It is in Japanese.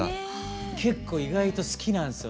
結構意外と好きなんすよ